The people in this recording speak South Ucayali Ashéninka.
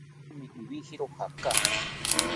Thame iwijiro jaaka